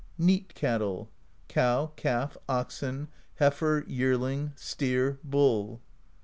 Neat Cattle : Cow, calf, oxen, heifer, yearling, steer, bull.